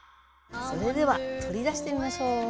それでは取り出してみましょう。